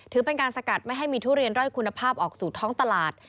ถือเป็นการสกัดไม่ให้มีทุเรียนด้อยคุณภาพออกสู่ท้องตลาด